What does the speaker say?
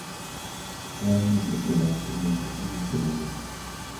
Rodearon la propiedad y luego irrumpieron en la casa.